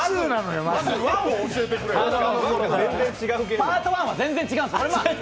パートⅠは全然違うんです。